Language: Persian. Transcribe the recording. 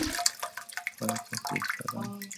پا کسی ایستادن